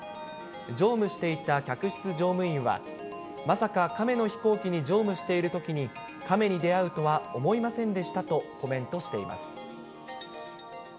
乗務していた客室乗務員は、まさかカメの飛行機に乗務しているときに、カメに出会うとは思いませんでしたとコメントしています。